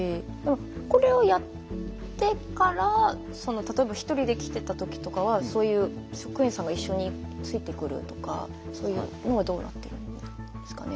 これをやってから例えば１人で来ていた時とかはそういう職員さんが一緒についてくるとかそういうのはどうなっているんですかね。